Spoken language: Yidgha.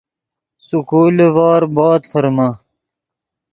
سکول لیڤور بود ڤرمے